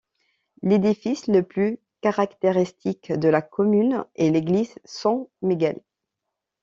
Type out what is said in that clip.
L'édifice le plus caractéristique de la commune est l'église San Miguel.